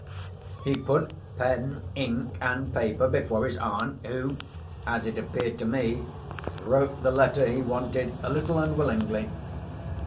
He put pen, ink, and paper before his aunt, who (as it appeared to me) wrote the letter he wanted a little unwillingly.